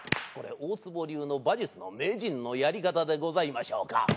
これ大坪流の馬術の名人のやり方でございましょうか。